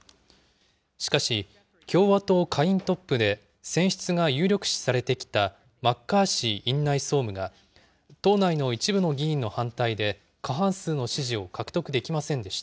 しかし、共和党下院トップで選出が有力視されてきたマッカーシー院内総務が、党内の一部の議員の反対で過半数の支持を獲得できませんでした。